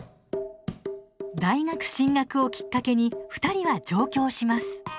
大学進学をきっかけに２人は上京します。